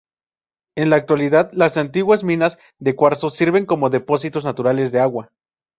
En la actualidad las antiguas minas de cuarzo sirven como depósitos naturales de agua.